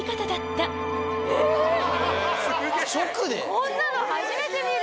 こんなの初めて見る！